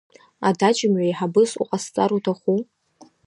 Адаҷымҩа еиҳабыс уҟасҵар уҭаху?